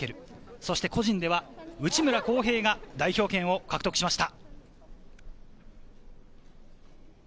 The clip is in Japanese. そして個人では内村航平が代表権を獲得しました。